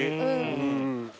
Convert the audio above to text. うん。